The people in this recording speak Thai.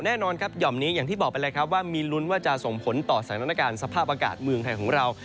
แน่นอนครับหย่อมนี้อย่างที่บอกไปแล้วครับว่ามีลุ้นว่าจะส่งผลต่อสถานการณ์สภาพอากาศเมืองไทยของเรา